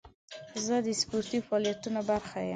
زه د سپورتي فعالیتونو برخه یم.